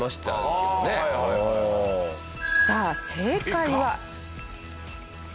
さあ正解は。